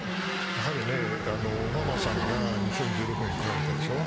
やはりオバマさんが２０１６年に来られたでしょう。